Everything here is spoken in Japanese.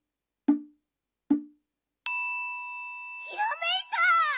ひらめいた！